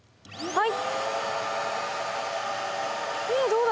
はい。